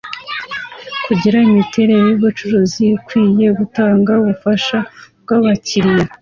kugira imiterere yubucuruzi ikwiye, gutanga ubufaha bwabakiriya,